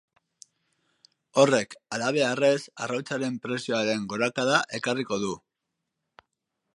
Horrek, halabeharrez, arrautzaren prezioan gorakada ekarriko du.